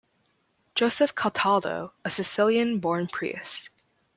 Joseph Cataldo, a Sicilian-born priest.